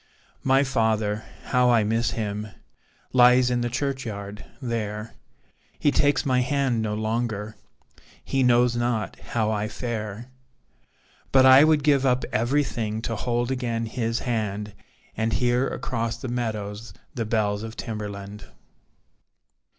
My father how I miss him Lies in the churchyard there, He takes my hand no longer He knows not how I fare. But I would give up everything To hold again his hand, And hear across the meadows The bells of Timberland.